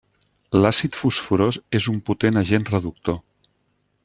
L'àcid fosforós és un potent agent reductor.